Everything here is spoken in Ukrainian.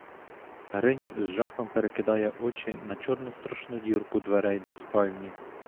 Гринь з жахом перекидає очі на чорну страшну дірку дверей до спальні.